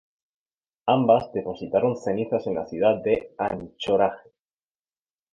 Ambas depositaron cenizas en la ciudad de Anchorage.